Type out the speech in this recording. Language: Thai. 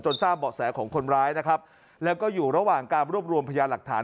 ทราบเบาะแสของคนร้ายนะครับแล้วก็อยู่ระหว่างการรวบรวมพยานหลักฐาน